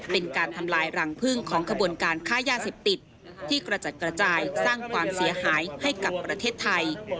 เป็นการทำลายรังพึ่งของขบวนการค้ายาเสพติดที่กระจัดกระจายสร้างความเสียหายให้กับประเทศไทย